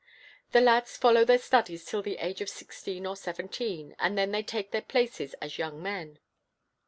The lads follow their studies till the age of sixteen or seventeen, and then they take their places as young men.